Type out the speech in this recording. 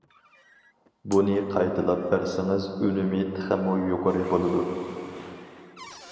بۇنى قايتىلاپ بەرسىڭىز ئۈنۈمى تېخىمۇ يۇقىرى بولىدۇ.